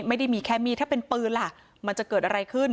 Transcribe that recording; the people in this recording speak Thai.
ไม่ได้มีแค่มีดถ้าเป็นปืนล่ะมันจะเกิดอะไรขึ้น